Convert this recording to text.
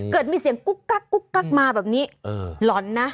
เกิดมีเสียงกุ๊กกักกุ๊กกักมาแบบนี้หล่อนนะ